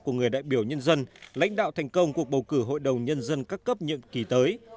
của người đại biểu nhân dân lãnh đạo thành công cuộc bầu cử hội đồng nhân dân các cấp nhiệm kỳ tới